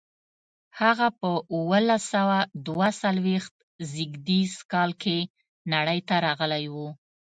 هغه په اوولس سوه دوه څلویښت زېږدیز کال کې نړۍ ته راغلی و.